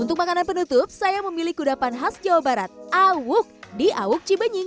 untuk makanan penutup saya memilih kudapan khas jawa barat awuk di awuk cibenying